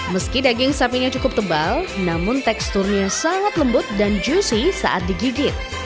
meski daging sapinya cukup tebal namun teksturnya sangat lembut dan juicy saat digigit